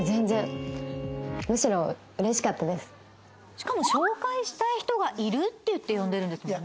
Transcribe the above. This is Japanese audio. しかも「紹介したい人がいる」って言って呼んでるんですもんね。